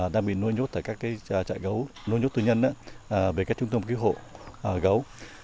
đang bị nuôi nhốt tại các trại gấu nuôi nhốt tù nhân về các trung tâm cứu hộ gấu